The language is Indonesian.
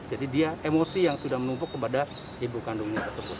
jadi dia emosi yang sudah menumpuk kepada ibu kandungnya